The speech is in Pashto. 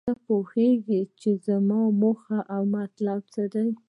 ته پوهیږې چې زما موخه او مطلب څه دی